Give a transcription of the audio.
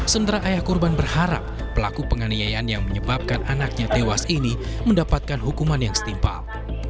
sementara ayah korban berharap pelaku penganiayaan yang menyebabkan anaknya tewas ini mendapatkan hukuman yang setimpal